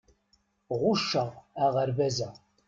Ɣucceɣ aɣerbaz-a.